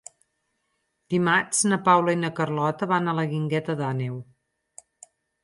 Dimarts na Paula i na Carlota van a la Guingueta d'Àneu.